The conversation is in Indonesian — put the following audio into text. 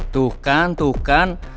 tuh kan tuh kan